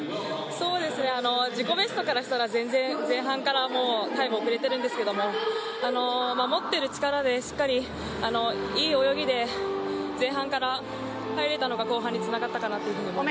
自己ベストからしたら前半から全然、タイム、遅れてるんですが持っている力でしっかりいい泳ぎで前半から入れたのが後半につながったかなというふうに思います。